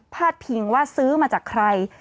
ดพิงว่าซื้อมาจากใคร